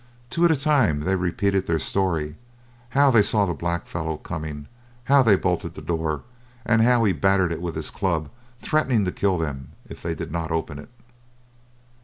Two at a time they repeated their story, how they saw the blackfellow coming, how they bolted the door, and how he battered it with his club, threatening to kill them if they did not open it.